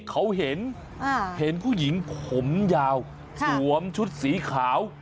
เขาเห็นเห็นผู้หญิงผมยาวสวมชุดสีขาว